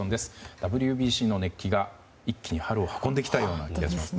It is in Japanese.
ＷＢＣの熱気が一気に春を運んできたような感じですね。